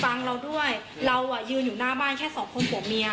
เราด้วยเราอ่ะยืนอยู่หน้าบ้านแค่สองคนผัวเมีย